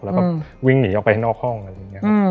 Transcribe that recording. แล้วก็วิ่งหนีออกไปนอกห้องอะไรอย่างนี้ครับ